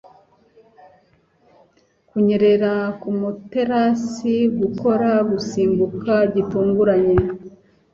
Kunyerera ku materasi, gukora gusimbuka gitunguranye,